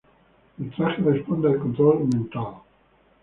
El traje responde al control mental.